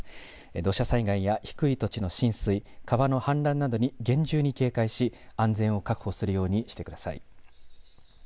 土砂災害や低い土地の浸水、川の氾濫などに厳重に警戒し安全を確保するようにしてください。